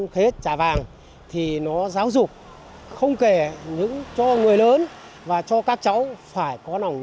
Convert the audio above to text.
khế trà vàng thì nó giáo dục không kể những cho người lớn và cho các cháu phải có nòng nhân